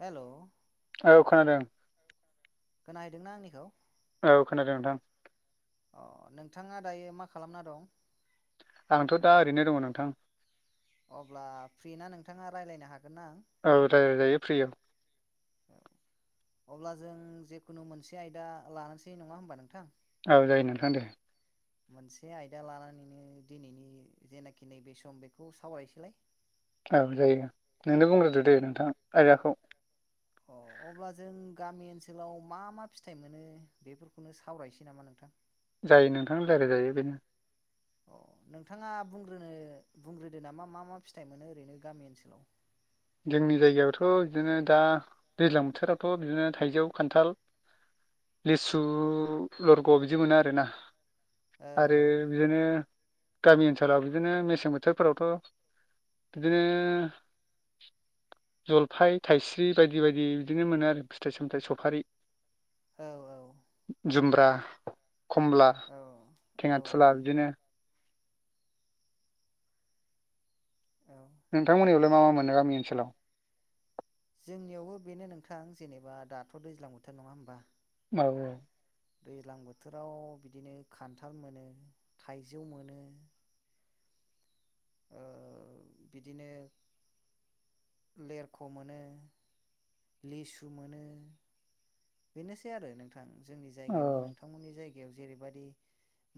हेल'। औ खोनादों। खोनाहैदोंना आंनिखौ‌ औ खोनादों नोंथां अ नोंथाङा दायो मा खालामना दं आंथ' दा ओरैनो दङ नोंथां। अब्ला फ्रि ना नोंथाङा रायज्लायनो हाग औ रायलायजायो फ्रि औ। अब्ला जों जेखुनु मोनसे आयदा लानोसै नङा होमबा नोंथां औ जायो नोंथां दे मोनसे आयदा लानानैनो दिनैनि जेनाखि नैबे सम बेखौ सावरायसैलाय औ जायो नोंनो बुंग्रोदो दे नोंथां आयदाखौ औ। अब्ला जों गामि ओनसोलाव मा मा फिथाइ मोनो बेफोरखौनो सावरायनोसै नामा नोंथां जायो नोंथां रायलायजायो बेनो औ। नोंथाङा बुंग्रोनो बुंग्रोदो नामा मा मा फिथाइ मोनो ओरैनो गामि ओनसोलाव जोंनि जायगायावथ' बिदिनो दा दैज्लां बोथोरावाथ' बिदिनो थाइजौ खान्थाल लिसु लरग' बिदि मोनो आरोना औ आरो बिदिनो गामि ओनसोलाव बिदिनो मेसें बोथोरफोरावथ' बिदिनो जलफाय, थाइस्रि बायदि बायदि बिदिनो मोनो आरो फिथाइ सामथायाइ सफारि औ जुमब्रा खमला औ औ थेङा थुला बिदिनो औ नोंथांमोननियावलाय मा मा मोनो गामि ओनसोलाव। जोंनियावबो बेनो नोंथां जेनेबा दाथ' दैज्लां बोथोर नङा होमबा औ। दैज्लां बोथोराव बिदिनो खान्थाल मोनो थाइजौ मोनो ओ बिदिनो लेरख' मोनो लिसु मोनो। बेनोसै आरो नोंथां जोंनि औ जायगायावबो नोंथांमोननि जायगायाव जेरैबादि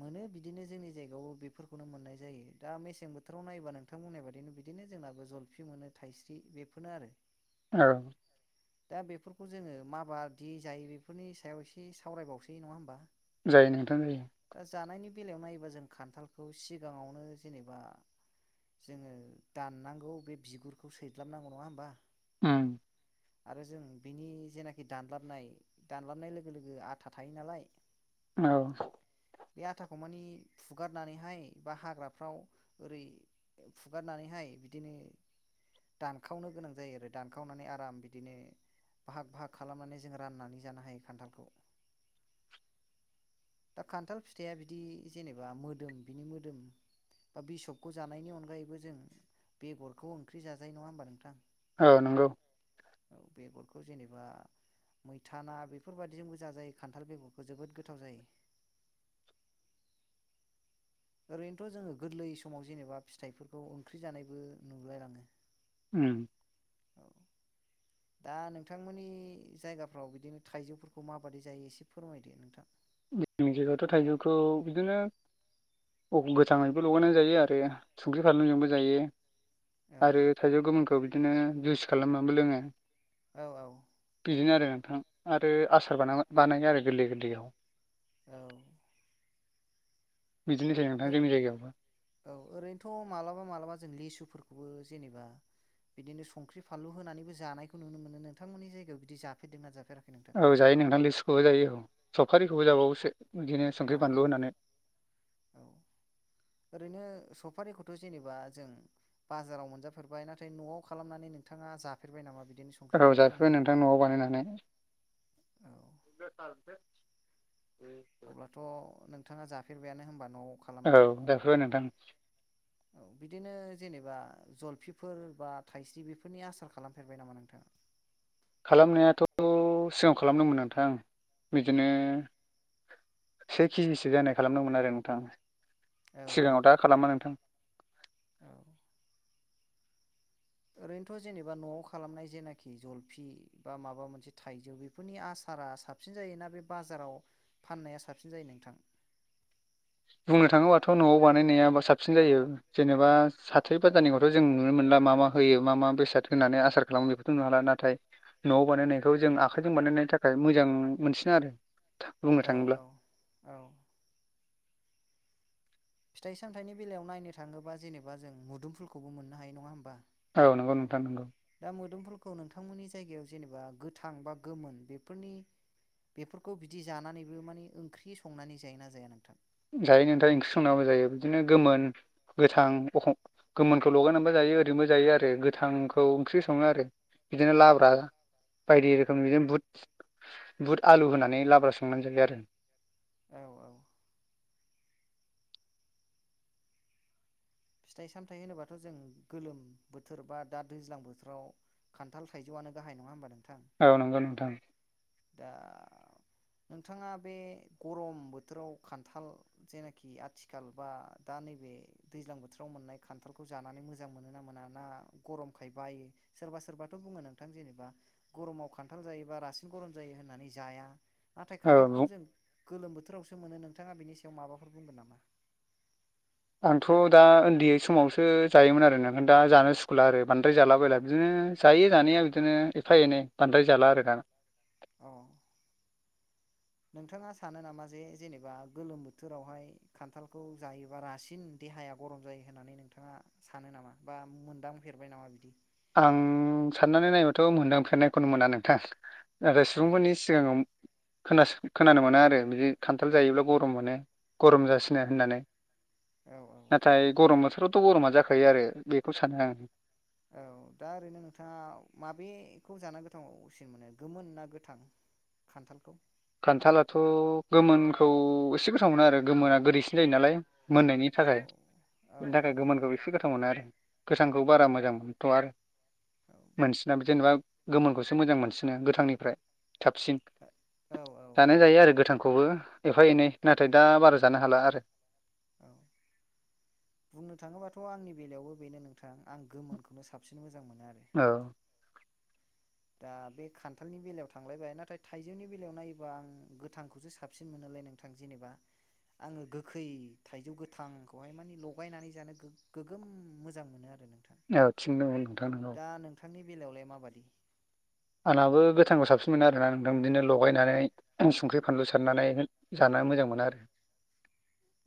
मोनो बिदिनो जोंनि जायगायावबो बेफोरखौनो मोननाय जायो दा मेसें बोथोराव नायबा नोंथां बुंनाय बादिनो बिदिनो बिनो जोंनाबो जलफि मोनो थाइस्रि बेफोरनो आरो। औ दा बेफोरखौ जोङो माबादि जायो बेफोरनि सायाव एसे सावरायबावसै नङा होमबा जायो नोंथां जायो दा जानायनि बेलायाव नायोबा जों खान्थालखौ सिगाङावनो जेनेबा जोङो दाननांगौ बे बिगुरखौ सैज्लाबनांगौ नङा होमबा उम आरो जों बिनि जेनाखि दानलाबनाय दानलाबनाय लोगो लोगो आथा थायो नालाय औ। बे आथाखौ मानि फुगारनानैहाय बा हाग्राफ्राव ओरै फुगारनानैहाय माय बिदिनो। दानखावनो गोनां जायो आरो दानखावनानै आराम बिदिनो बाहाग बाहाग खालामनानै रान्नानै जानो हायो‌ खान्थालखौ दा खान्थाल फिथाइया बिदि जेनेबा मोदोम बिनि मोदोम बा बिसबखौ जानायनि अनगायैबो जों बेगरखौ ओंख्रि जाजायो नङा होमबा नोंथां ओ नंगौ औ बेगरखौ जेनेबा मैथाना बेफोरबायदिजोंबो जायो खान्थाल बेगरखौ जोबोद गोथाव जायो। ओरैनोथ' जोङो गोरलै समाव जेनेबा फिथाइफोरखौ ओंख्रि जानायबो नुलायलाङो। उम औ दा नोंथांमोननि जायगाफ्राव बिदिनो थाइजौफोरखौ माबायदि जायो एसे फोरमायदो नोंथां। जोंनि जायगायावथ' थाइजौखौ बिदिनो गोथाङैबो लगायनाय जायो आरो संख्रि फानलुजोंबो जायो औ आरो थाइजौ गुबुनखौ बिदिनो जुइस खालामनानैबो लोङो। औ औ बिदिनो आरो नोंथां आरो आसार बो बानाय आरो गोरलै गोरलैयाव औ बिदिनोसै नोंथां जोंनि जायगायावबो औ ओरैनोथ' मालाबा मालाबा जों लिसुफोरखौ जेनेबा बिदिनो संख्रि फानलु होनानैबो जानायखौ नुनो मोनो नोंथांमोननि जायगायाव बिदि जाफेरदों ना जाफेराखै। नोंथां औ जायो नोंथां लिसुखौबो जायो सफारिखौबो जाबावोसो बिदिनो औ संख्रि बानलु होनानै औ ओरैनो सम समफारिखौथ' जेनेबा जों बाजाराव मोनजाफेरबाय नाथाय न'आव खालामनानै नोंथाङा जाफेरबाय नामा बिदि ओव जाफैबाय नोंथां न'आव बानायनै औ [unintelligible] अब्लाथ' नोंथाङा जाफेरबायानो होनबानो। ओव जाफेरबाय नोंथां बिदिनो जेनेबा जलफिफोर बा थाइस्रि बेफोरनि आसार खालामफेरबाय नामा नोंथाङा। [inaudible] खालामनायाथ' सिगाङाव खालामदोंमोन नोंथां बिदिनो से केजिसो जानाय खालामदोंमोन आरो नोंथां औ औ सिगाङाव दा खालामा नोंथां। औ ओरैनोथ' जेनेबा न'आव खालामनाय जेनाखि जलफि बा माबा मोनसे थाइजौ बेफोरनि आस सारा साबसिन जायोना बे बाजाराव फाननाया साबसिन जायो नोंथां बुंनो थाङोबाथ' न'आव बानायनायाबा साबसिन जायो जेनेबा साथ्रि बाजारनिखौथ' जों नुनो मोनला मा मा होयो मा मा बेसाद होननानै आसार खालामो बेखौथ' नुला नाथाय न'आव बानायनायखौ जों आखाइजों बानायनायनि थाखाय मोजां मोनसिनो आरो बुंनो थाङोब्ला औ-औ-औ फिथाइ सामथाइनि बेलायाव नायनो थाङोबा जेनेबा जों मुदुम फुलखौबो मोननो हायो नङा होमबा औ नंगौ नोंथां दा मोदोमफुलखौ नोंथांमोननि जायगायाव जेनेबा गोथां बा गोमोन बेफोरनि बेफोरखौ बिदि जानानैबो माने ओंख्रि संनानै जायोना जाया नोंथां जायो नोंथां ओंख्रि संनाबो जायो बिदिनो गोमोन गोथां अखं गोमोनखौ लगायनानैबो जायो ओरैनोबो जायो आरो गोथांखौ ओंख्रि सङो आरो बिदिनो लाब्रा बायदि रोखोम बिदिनो बुट बुट आलु होनानै लाब्रा संनानै जाय आरो [inaudible] [unintelligible] गाहाय नङा होनबा नों - औ नंगौ नोंथां दा नोंथाङा बे गरम बोथोराव खान्थाल जेनाखि आथिखाल बा दा नैबे दैज्लां बोथोर बोथोराव मोननाय खान्थालखौ जानानै मोजां मोनो ना मोना ना गरमखाय बायो सोरबा सोरबाथ' बुङो नोंथां जेनेबा गरमाव खान्थाल जायोबा रासिन गरम जायो होननानै जाया। नाथाय औ खान्थालखौ बुं जों गोलोम बोथोरावसो मोनो नोंथाङा बेनि सायाव माबाफोर बुंगोन नामा आंथ' दा उन्दै समावसो जायोमोन आरोना दा जानो सुखुला आरो बांद्राय जाला बायला बिदिनो जायो जानाया बिदिनो एफा एनै बांद्राय जाला आरो दाना औ नोंथाङा सानो नामा जे जेनेबा गोलोम बोथोरावहाय खान्थालखौ जायोबा रासिन देहानि हाया गरम जायो होननानै नोंथाङा सानो नामा बा मोनदांफेरबाय नामा बिदि। आं साननानै नायबाथ' मोनदांफेरनायखौनो मोना नोंथां नाथाय अ सुबुंफोरनि सिगाङाव खोनासो खोनानो मोनो आरो बिदि खान्थाल जायोब्ला गरम मोनो गरम जासिनो होननानै। औ औ नाथाय गरम बोथोरावथ' गरमा जाखायो आरो बेखौ सानो आं औ दा ओरैनो नोंथाङा माबेखौ जाना गोथांसिन मोनो गोमोन ना गोथां‌ खान्थालखौ खान्थालाथ गोमोनखौ एसे गोथाव मोनो आरो गोमोना गोदैसिन जायो नालाय। मोननायनि औ थाखाय औ बेनि थाखाय गोमोनखौ एसे गोथाव गोथाव मोनो आरो गोथांखौ बारा मोजां मोनथ आरो मोनसिना जेनेबा गोमोनखौसो मोजां मोनसिनो गोथांनिफ्राय थाबसिन औ औ औ जानाया जायो आरो। गोथांखौबो एफा एनै नाथाय दा बारा जानो हाला आरो औ बुंनो थाङोबाथ आंनि बेलायावबो बेनो नोंथां आं गोमोनखौनो साबसिन मोजां मोजां मोनो आरो। औ दा बे खान्थालनि बेलायाव थांलायबाय नाथाय थाइजौनि बेलायाव नायोबा आं गोथांखौसो साबसिन मोनो। ओमफाय नोंथां जेनेबा आङो गोखै थाइजौ गोथांखौहाय माने लगायनानै जानो गोगोम मोजां मोनो आरो नोंथां औ थिं दङ नोंथां नंगौ दा नोंथांनि बेलायावलाय माबादि? आंनाबो गोथांखौ साबसिन मोनो आरोना नोंथां बिदिनो लगायनानै संख्रि फानलु सारनानै जानानै ना मोजां मोना आरो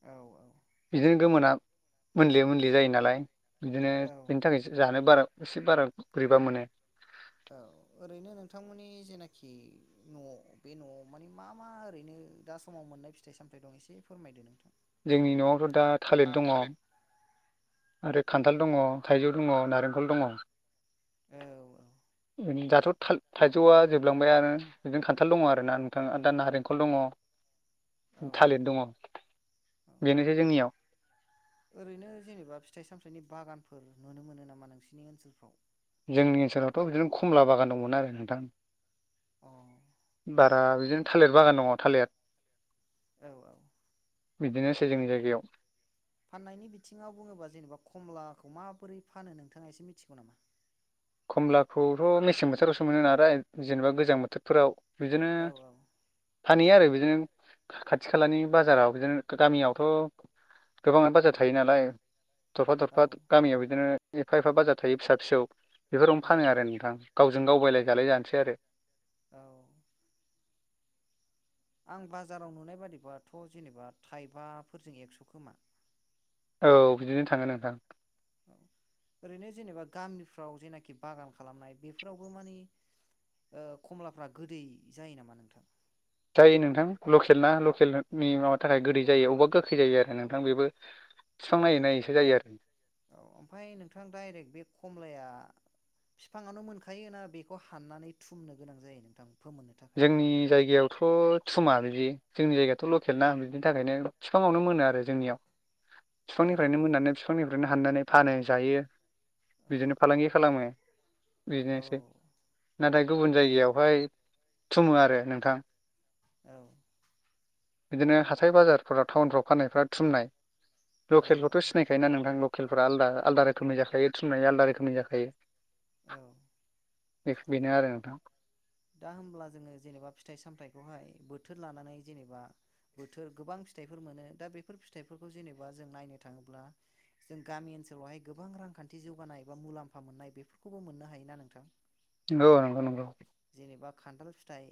औ औ बिदिनो गोमोना मोनले मोनले जायो नालाय बिदिनो औ बेनि थाखाय जानो बारा एसे बारा बोरैबा मोनो। औ ओरैनो नोंथांमोननि जेनाखि न बे नआव माने मा मा ओरैनो दा समाव? मोननाय फिथाइ सामथाय दं एसे फोरमायदो नोंथां जोंनि नआवथ दा थालिर दङ आरो खान्थाल दङ थाइजौ नारेंखल दङ औ दाथ थाल-थाइजौआ जोबलांबाय आरो बिदिनो खान्थाल दङ आरोना नोंथाङा आरो दा नारेंखल दङ। औ थालिर दङ औ बेनोसै जोंनियाव ओरैनो जेनेबा फिथाइ सामथायनि बागानफोर नुनो मोनो नामा नोंसिनि ओनसोलफ्राव? जोंनि ओनसोलावथ बिदिनो खमला बागान दंमोन आरो नोंथां। अ बारा बिदिनो थालिर बागान दङ थालिर औ औ बिदिनोसै जोंनि जायगायाव फाननायनि बिथिङाव बुङोबा जेनेबा कमलाखौ माबोरै फानो नोंथाङा एसे मिथिगौ नामा? खमलाखौथ मेसें बोथोरावसो मोनो नालाय जेनेबा गोजां बोथोरफोराव बिदिनो औ औ फानहैयो आरो बिदिनो खाथि खालानि बाजाराव बिदिनो गामियावथ गोबाङानो बाजार थायो नालाय। थरफा औ थरफा गामियाव बिदिनो एफा एफा बाजार थायो फिसा फिसौ बेफोरावनो फानो आरो नोंथां गावजों गाव बायलाय जालाय जानोसै आरो। औव आं बाजाराव नुनाय बादिबाथ जेनेबा थाइबाफोरजों एक्स शखोमा? औ बिदिनो थांगोन नोंथां ओरैनो जेनेबा गामिफ्राव जेनाखि बागान खालामनाय बेफोरावबो माने ओ खमलाफ्रा गोदै जायो नामा नोंथां? जायो नोंथां लकेल ना लकेलनि माबा थाखाय गोदै जायो अबेबा गोखै जायो आरो नोंथां बेबो फिफां नायै नायैसो जायो आरो औ ओमफ्राय नोंथां डाइरेक्ट बे खमलाया फिफाङानो मोनखायो ना बेखौ हाननानै थुमनो गोनां जायो नोंथां? फोमोननो थाखाय जोंनि जायगायावथ थूमा बिदि जोंनि जायगायाथ लकेल ना बिनि थाखायनो फिफाङावनो मोनो आरो जोंनियाव औ बिफांनिफ्रायनो मोननानै बिफांनिफ्राय ओरनो हाननानै फानो जायो बिदिनो फालांगि खालामो। औ बेनोसै नाथाय गुबुन जायगायावहाय थुमो आरो नोंथां। औ बिदिनो हाथाय बाजारफोराव टाउनफ्राव फाननायफ्रा थुमनाय लकेलखौथ' औ सिनायखायोना नोंथां लकेलफ्रा आलदा आलदा रोखोमनि जाखायो थुननाया आलदा रोखोमनि औ जाखायो। बेनो आरो नोंथां। दा होमब्ला जोङो जेनेबा फिथाइ सामथायखौहाय बोथोर लानानै जेनेबा बोथोर गोबां फिथाइ मोनो दा बेफोर फिथाइफोरखौ जेनेबा जों नायनो थाङोब्ला जों गामि ओनसोलावहाय गोबां रांखान्थि जौगानाय बा मुलाम्फा मोननाय बेफोरखौबो मोननो हायोना नोंथां।? औ नंगौ नंगौ। जेनेबा खान्थाल फिथाइ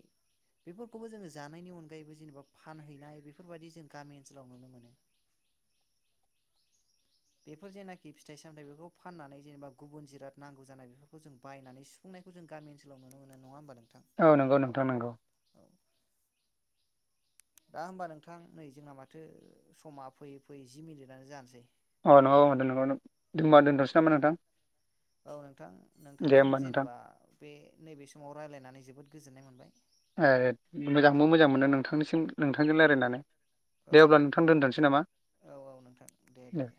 बेफोरखौबो जोङो जानायनि अनगायैबो जेनेबा फानहैनाय बेफोरबायाददि जों गामि ओनसोलाव नुनो मोनो। [inaudible] बेफोर जेनाखि फिथाइ सामथायाइ बेफोरखौ फाननानै जेनेबा गुबुन जिराद नांगौ जानाय बेफोरखौ जों बायनानै सुफुंनाय जों गामि ओनसोलाव नुनो मोनो नङा ओनबा नों औ नंगौ नोंथां नंगौ दा होमबा नोंथां नै जोंना माथो समा फैयै फैयै जि मिनिटआनो जानोसै अ नंगौ [unintelligible] ओमबा दोनथनोसै नामा नोंथां? औ नोंथां दे नोंथांजों होमबा नोंथां जेनेबा बे नैबे समाव रायलायनानै जोबोद गोजोननाय मोनबाय। ए मोजांबो मोजां मोनो नोंथांनिसिम नोंथांजों रायजलायनानै। औ दे अब्ला नोंथां दोनथसै नामा दे